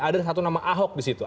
ada satu nama ahok di situ